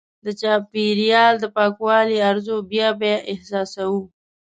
د چاپېریال د پاکوالي ارزو بیا بیا احساسوو.